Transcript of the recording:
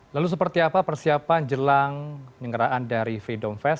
lalu seperti apa persiapan jelang nyerah dari v dome fest